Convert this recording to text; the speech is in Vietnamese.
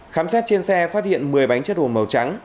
khám xét trên xe phát hiện một mươi bánh chất hồ màu trắng